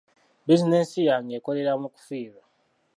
Bizinensi yange ekolera mu kufiirwa.